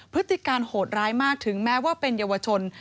พฤติการโหดร้ายมากถึงแม้ว่าเป็นเยาวชน